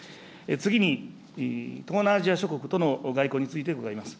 次に、東南アジア諸国との外交について伺います。